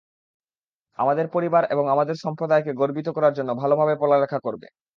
আমাদের পরিবার এবং আমাদের সম্প্রদায়কে গর্বিত করার জন্য ভালভাবে পড়ালেখা করবে।